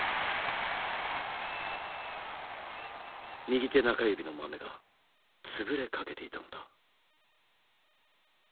右手中指のまめが潰れかけていたのだ。